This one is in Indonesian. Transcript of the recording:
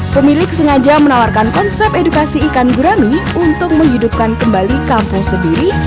pemilik sengaja menawarkan konsep edukasi ikan gurami untuk menghidupkan kembali kampung sendiri